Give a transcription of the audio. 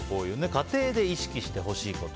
家庭で意識してほしいこと。